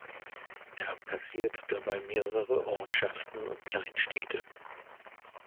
Er passiert dabei mehrere Ortschaften und Kleinstädte.